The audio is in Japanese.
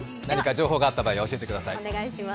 何か情報があった場合教えてください。